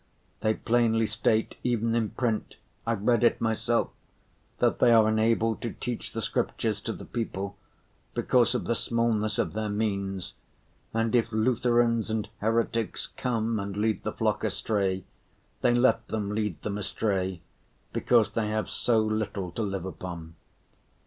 They plainly state, even in print—I've read it myself—that they are unable to teach the Scriptures to the people because of the smallness of their means, and if Lutherans and heretics come and lead the flock astray, they let them lead them astray because they have so little to live upon.